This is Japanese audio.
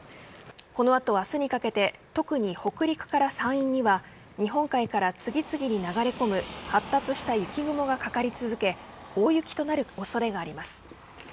この後、明日にかけて特に北陸から山陰には日本海から次々に流れ込む発達した雪雲がかかり続け大雪となる恐れがあります。